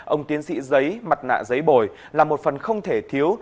ông tiến sĩ giấy mặt nạ giấy bồi là một phần không thể thiếu